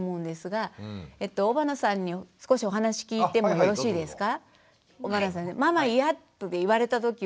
尾花さんに少しお話聞いてもよろしいですか？